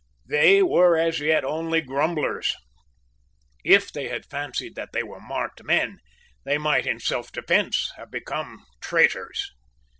They were as yet only grumblers. If they had fancied that they were marked men, they might in selfdefence have become traitors.